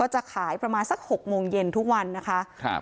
จากโมงเย็นทุกวันนะคะ